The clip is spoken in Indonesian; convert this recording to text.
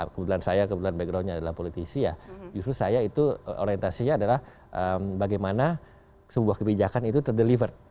kalau kebetulan saya kebetulan background nya adalah politisi ya justru saya itu orientasinya adalah bagaimana sebuah kebijakan itu terdelivered